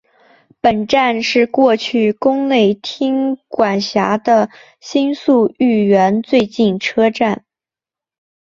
本站是过去宫内厅管辖的新宿御苑最近车站。